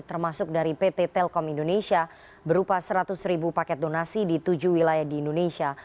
termasuk dari pt telkom indonesia berupa seratus ribu paket donasi di tujuh wilayah di indonesia